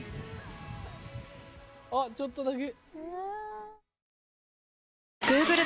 あっちょっとだけ。